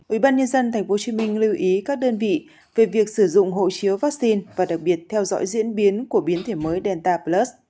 ủy ban nhân dân tp hcm lưu ý các đơn vị về việc sử dụng hộ chiếu vaccine và đặc biệt theo dõi diễn biến của biến thể mới delta plus